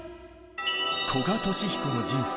古賀稔彦の人生